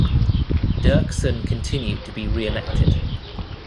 Dirksen continued to be re-elected.